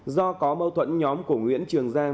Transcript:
do có mâu thuẫn nhóm của nguyễn trường giang